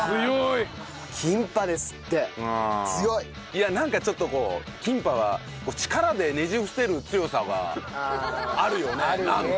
いやなんかちょっとこうキンパは力でねじ伏せる強さがあるよねなんか。